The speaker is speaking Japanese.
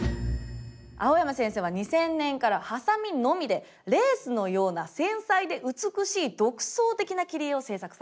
蒼山先生は２０００年からハサミのみでレースのような繊細で美しい独創的な切り絵を制作されています。